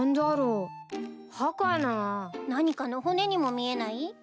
何かの骨にも見えない？